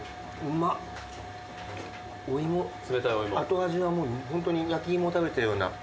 後味はホントに焼き芋を食べたような。